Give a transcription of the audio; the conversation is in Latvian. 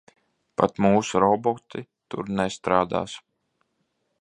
Pat mūsu roboti tur nestrādās.